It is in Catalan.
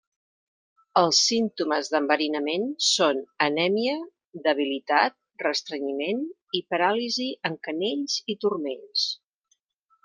Els símptomes d'enverinament són anèmia, debilitat, restrenyiment i paràlisi en canells i turmells.